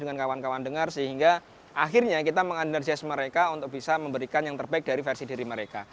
dengan kawan kawan dengar sehingga akhirnya kita mengandar jas mereka untuk bisa memberikan yang terbaik dari versi diri mereka